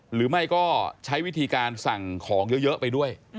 หรือไม่ก็ใช้วิธีการสั่งของเยอะไปด้วย